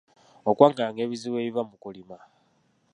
Okwanganga ebizibu ebiva mu kulima.